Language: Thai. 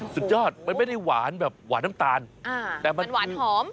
สุดยอดมันไม่ได้หวานแบบหวานน้ำตาลแต่มันหวานหอม